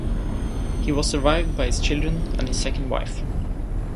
He was survived by his children and his second wife.